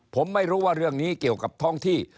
ผมไม่รู้ว่าเรื่องนี้เกี่ยวกับท้องที่